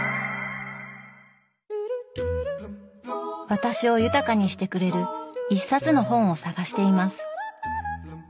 私を豊かにしてくれる一冊の本を探しています。